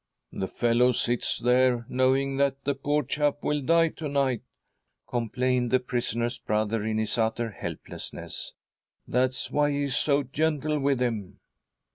" The fellow sits there, knowing that the poor chap will die to night," complained the prisoner's brother in his utter helplessness. " That's why he is so gentle with him."